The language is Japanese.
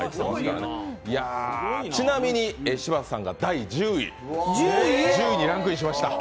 ちなみに柴田さんが第１０位にランクインしました。